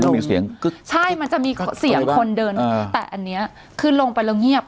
มันมีเสียงกึ๊กใช่มันจะมีเสียงคนเดินแต่อันนี้คือลงไปแล้วเงียบ